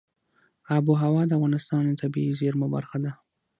آب وهوا د افغانستان د طبیعي زیرمو برخه ده.